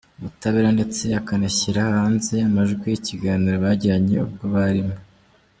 ubutabera ndetse akanashyira hanze amajwi yikiganiro bagiranye ubwo barimo.